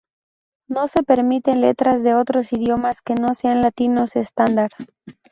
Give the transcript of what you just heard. No se permiten letras de otros idiomas que no sean latinos estándar.